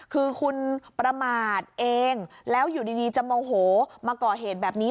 คือคุณประมาทเองแล้วอยู่ดีจะโมโหมาก่อเหตุแบบนี้